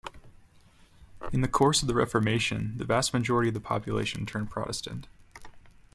In the course of the Reformation the vast majority of the population turned Protestant.